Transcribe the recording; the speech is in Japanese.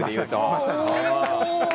まさに！